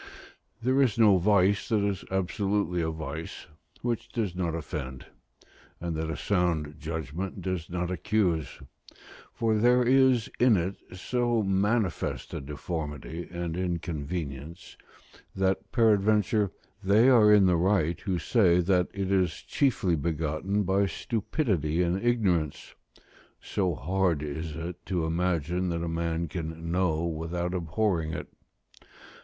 There is no vice that is absolutely a vice which does not offend, and that a sound judgment does not accuse; for there is in it so manifest a deformity and inconvenience, that peradventure they are in the right who say that it is chiefly begotten by stupidity and ignorance: so hard is it to imagine that a man can know without abhorring it.